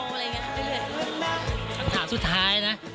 สันถามสุดท้ายครับ